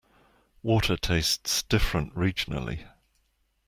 Water tastes different regionally.